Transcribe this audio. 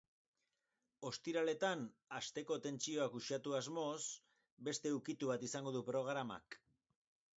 Ostiraletan, asteko tentsioak uxatu asmoz, beste ukitu bat izango du programak.